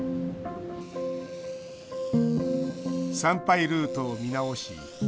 参拝ルートを見直し